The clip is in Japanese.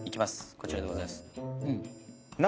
こちらでございます。